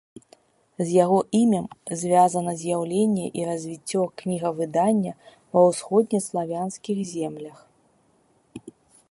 З яго імем звязана з'яўленне і развіццё кнігавыдання ва ўсходнеславянскіх землях.